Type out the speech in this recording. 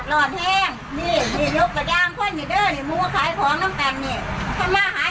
อ๋อเจ้าสีสุข่าวของสิ้นพอได้ด้วย